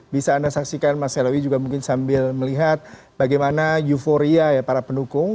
bisa anda saksikan mas nyalawi juga mungkin sambil melihat bagaimana euforia ya para pendukung